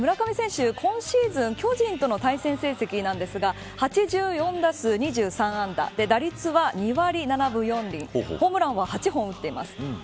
村上選手、今シーズン巨人との対戦成績なんですが８４打数２３安打打率は２割７分４厘ホームランは８本打っています。